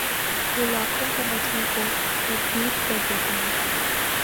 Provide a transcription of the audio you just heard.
وہ لاکھوں کے مجمعے کو مبہوت کر دیتے ہیں